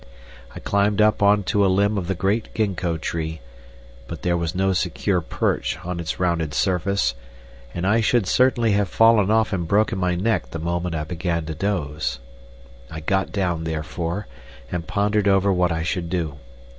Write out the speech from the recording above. I climbed up on to a limb of the great gingko tree, but there was no secure perch on its rounded surface, and I should certainly have fallen off and broken my neck the moment I began to doze. I got down, therefore, and pondered over what I should do.